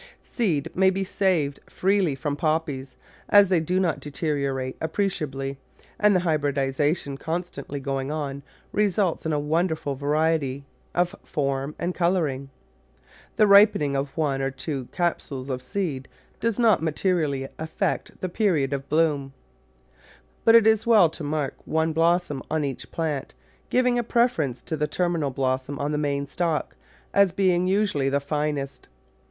Seed may be saved freely from Poppies, as they do not deteriorate appreciably, and the hybridisation constantly going on results in a wonderful variety of form and colouring. The ripening of one or two capsules of seed does not materially affect the period of bloom; but it is well to mark one blossom on each plant, giving a preference to the terminal blossom on the main stalk, as being usually the finest.